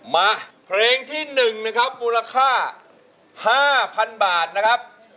มาเพลงที่๑นะครับมูลค่า๕๐๐๐บาทนะครับ